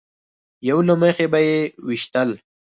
یو له مخې به یې ویشتل.